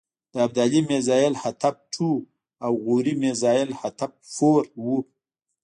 د ابدالي میزایل حتف ټو او غوري مزایل حتف فور و.